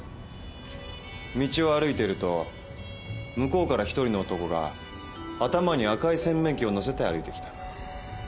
「道を歩いていると向こうから一人の男が頭に赤い洗面器を乗せて歩いて来た」